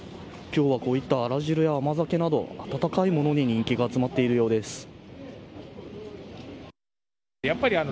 今日は、あら汁や甘酒など温かいものに人気が集まっているようです。